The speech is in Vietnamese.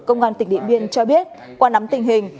công an tỉnh điện biên cho biết qua nắm tình hình